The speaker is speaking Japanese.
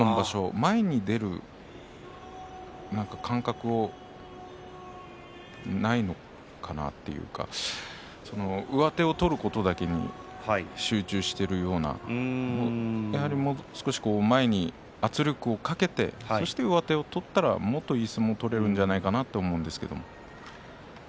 前に出る感覚がないのかなというか上手を取るだけに集中しているような、やはり少し前に圧力をかけて、そして上手を取ったらもっといい相撲を取れるんじゃないかなと思うんですけど。